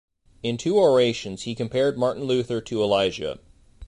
In two orations he compared Martin Luther to Elijah.